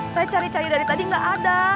saya cari cari dari tadi nggak ada